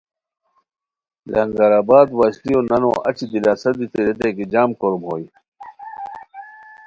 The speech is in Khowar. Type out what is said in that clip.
لنگر آباد وشلیو نانو اچی دلاسہ دیتی ریتائے کی جم کوروم ہوئے